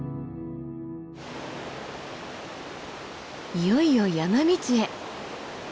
いよいよ山道へ！